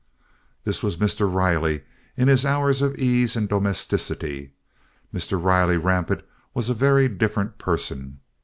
This was Mr. Riley in his hours of ease and domesticity. Mr. Riley rampant was a very different person.